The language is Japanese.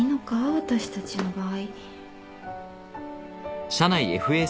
私たちの場合。